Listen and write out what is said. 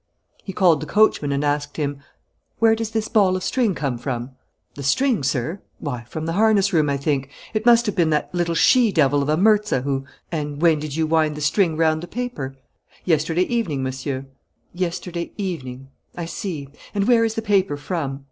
He called the coachman and asked him: "Where does this ball of string come from?" "The string, sir? Why, from the harness room, I think. It must have been that little she devil of a Mirza who " "And when did you wind the string round the paper?" "Yesterday evening, Monsieur." "Yesterday evening. I see. And where is the paper from?"